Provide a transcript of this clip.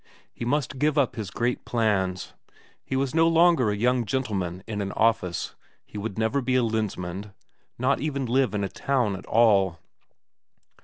He must give up his great plans; he was no longer a young gentleman in an office, he would never be a Lensmand, not even live in a town at all.